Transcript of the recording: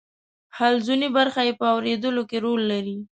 حلزوني برخه یې په اوریدلو کې رول لري.